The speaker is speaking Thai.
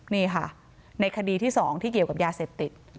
นี่ค่ะในคดีที่๒ที่เกี่ยวกับยาเสพติด